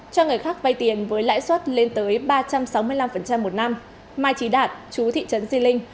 cho người khác vay tiền với lãi suất lên tới ba trăm sáu mươi năm một năm mai trí đạt chú thị trấn di linh